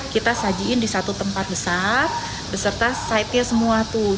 kita sajiin di satu tempat besar beserta side nya semua tuh